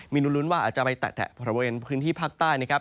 มีลุ้นว่าอาจจะไปแตะบริเวณพื้นที่ภาคใต้นะครับ